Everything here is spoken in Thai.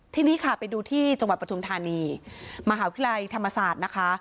ทีนี้ค่ะไปดูที่จังหวัดปทุมธานีมหาวิทยาลัยธรรมศาสตร์นะคะ